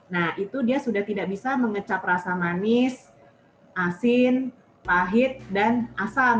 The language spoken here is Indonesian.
nah itu dia sudah tidak bisa mengecap rasa manis asin pahit dan asam